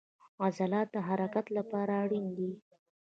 عضلات د حرکت لپاره اړین دي